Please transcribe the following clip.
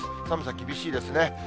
寒さ厳しいですね。